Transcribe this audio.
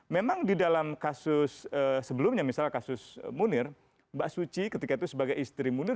memang di dalam kasus sebelumnya misalnya kasus munir mbak suci ketika itu sebagai istri munir